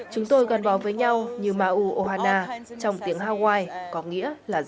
chúng tôi gần bó với nhau như mau ohana trong tiếng hawaii